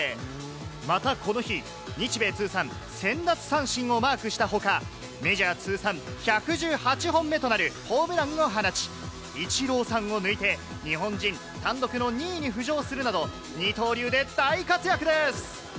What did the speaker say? またこの日、日米通算１０００奪三振をマークしたほか、メジャー通算１１８本目となるホームランを放ち、イチローさんを抜いて、日本人単独の２位に浮上するなど、二刀流で大活躍です。